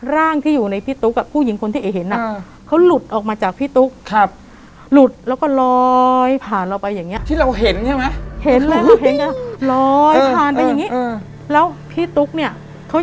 ร่างที่อยู่ในที่ตุ๊กอะผู้หญิงคนที่เองเห็นอะเค้าหลุดออกมาจากพี่ตุ๊ก